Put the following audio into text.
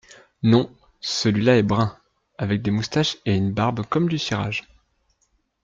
Non… celui-là est brun… avec des moustaches et une barbe comme du cirage.